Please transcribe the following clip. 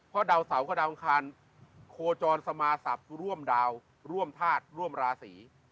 เพราะดาวเสาร์ก็ดาวอังคารโคจรสมาศัพท์ร่วมดาวร่วมธาตุร่วมราศี